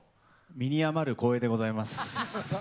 身に余る光栄でございます。